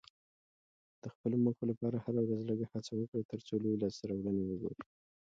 د خپلو موخو لپاره هره ورځ لږه هڅه وکړه، ترڅو لویې لاسته راوړنې وګورې.